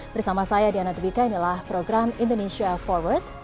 bersama saya diana dwika inilah program indonesia forward